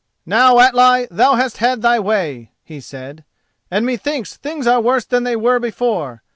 "Now, Atli, thou hast had thy way," he said, "and methinks things are worse than they were before.